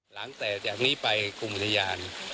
หลังจากนี้ไปกลุ่มอุทยาน